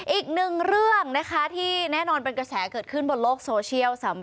อีกหนึ่งเรื่องนะคะที่แน่นอนเป็นเกษา